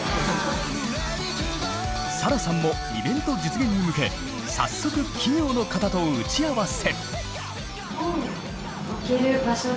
サラさんもイベント実現に向け早速企業の方と打ち合わせ。